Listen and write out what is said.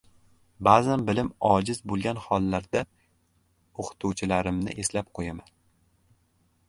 • Ba’zan bilim ojiz bo‘lgan hollarda o‘qituvchilarimni eslab qo‘yaman.